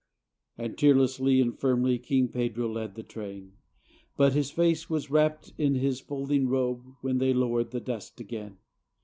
And tearlessly and firmly King Pedro led the train; But his face was wrapped in his folding robe When they lowered the dust again.